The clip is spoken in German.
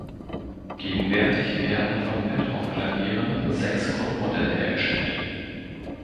Gegenwärtig werden von Petrof-Klavieren sechs Grundmodelle hergestellt.